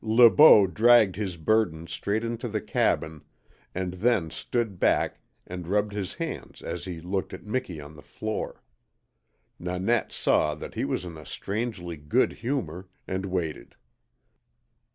Le Beau dragged his burden straight into the cabin, and then stood back and rubbed his hands as he looked at Miki on the floor. Nanette saw that he was in a strangely good humour, and waited.